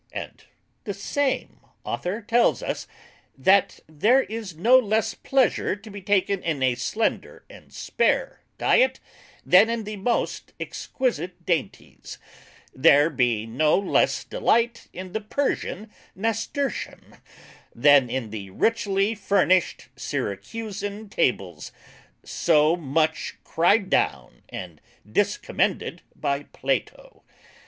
And the same Author tells us, That there is no less pleasure to be taken in a slender and spare diet, then in the most exquisite dainties; there being no less delight in the Persian Nasturtium, then in the richly furnished Syracusan Tables, so much cry'd down and discommended by Plato.